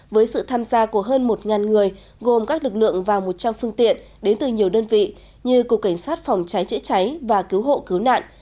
với sự tham gia của hơn một người gồm các lực lượng và một trăm linh phương tiện đến từ nhiều đơn vị như cục cảnh sát phòng cháy chữa cháy và cứu hộ cứu nạn